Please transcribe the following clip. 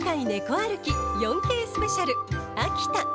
歩き４Ｋスペシャル秋田。